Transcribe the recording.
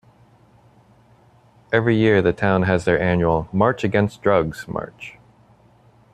Every year the town has their annual "March Against Drugs" march.